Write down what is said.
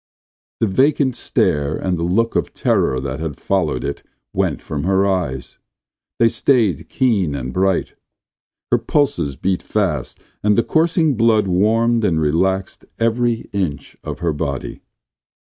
The vacant stare and the look of terror that had followed it went from her eyes. They stayed keen and bright. Her pulses beat fast, and the coursing blood warmed and relaxed every inch of her body.